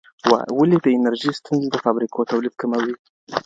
ولي د انرژۍ ستونزي د فابریکو تولید کموي؟